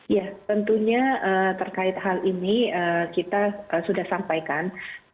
ya tentunya terkait hal ini kita sudah sampaikan